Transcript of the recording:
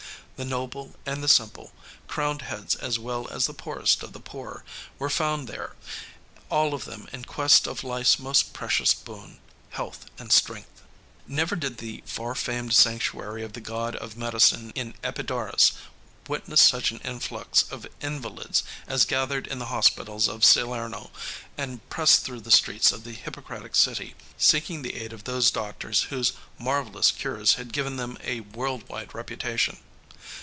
The noble and the simple, crowned heads as well as the poorest of the poor, were found there, all of them in quest of life's most precious boon health and strength. Never did the far famed sanctuary of the god of medicine in Epidaurus witness such an influx of invalids as gathered in the hospitals of Salerno and pressed through the streets of the Hippocratic city, seeking the aid of those doctors whose marvelous cures had given them a world wide reputation.